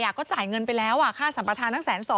ก็จ่ายเงินไปแล้วค่าสัมปทานตั้ง๑๒๐๐